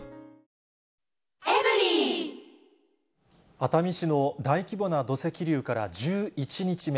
熱海市の大規模な土石流から１１日目。